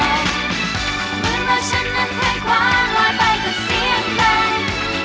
เหมือนว่าฉันนั้นหลายขวางหล่อยไปก็เสียงไป